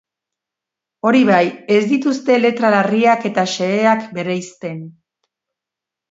Hori bai, ez dituzte letra larriak eta xeheak bereizten.